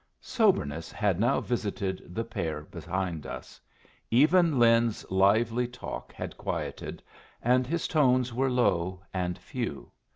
Soberness had now visited the pair behind us; even Lin's lively talk had quieted, and his tones were low and few.